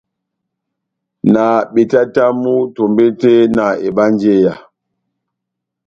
Na betatamu tombete na ebanjeya.